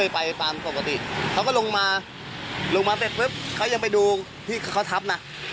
ไปตามปกติเขาก็ลงมาเขายังไปดูที่เขาทับนะ